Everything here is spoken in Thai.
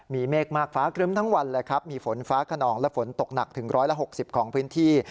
มีเมฆมากฟ้าครึ้มทั้งวันเลยครับมีฝนฟ้าขนองและฝนตกหนักถึง๑๖๐ของพื้นที่